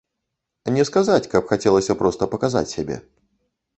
Не сказаць, каб хацелася проста паказаць сябе.